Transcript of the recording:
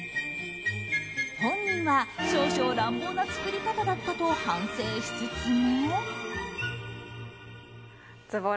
本人は少々乱暴な作り方だったと反省しつつも。